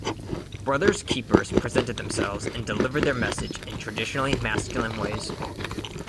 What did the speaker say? Brothers Keepers presented themselves and delivered their message in traditionally masculine ways.